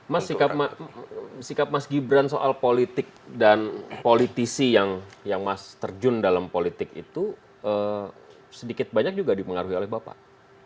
mas sikap mas gibran soal politik dan politisi yang mas terjun dalam politik itu sedikit banyak juga dipengaruhi oleh bapak